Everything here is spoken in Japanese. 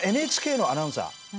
我がＮＨＫのアナウンサー。